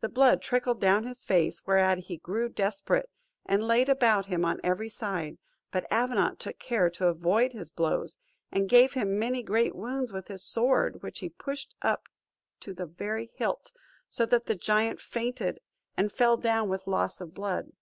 The blood trickled down his face, whereat he grew desperate, and laid about him on every side; but Avenant took care to avoid his blows, and gave him many great wounds with his sword, which he pushed up to the very hilt; so that the giant fainted, and fell down with loss of blood.